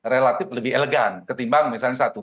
relatif lebih elegan ketimbang misalnya satu